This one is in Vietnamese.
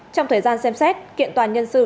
trong thời gian xem xét kiện toàn nhân sự